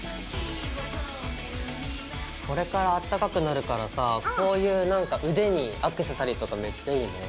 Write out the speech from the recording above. これからあったかくなるからさこういうなんか腕にアクセサリーとかめっちゃいいね。